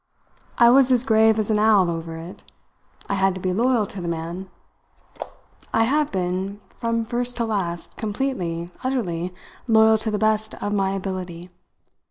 I was as grave as an owl over it; I had to be loyal to the man. I have been, from first to last, completely, utterly loyal to the best of my ability.